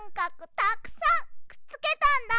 たくさんくっつけたんだ。